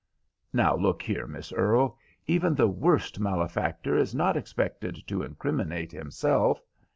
"Now, look here, Miss Earle, even the worst malefactor is not expected to incriminate himself.